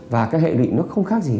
và các hệ lụy nó không khác gì